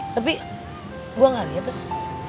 tapi gue gak liat tuh